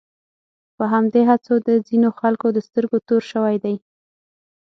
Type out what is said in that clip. په همدې هڅو د ځینو خلکو د سترګو تور شوی دی.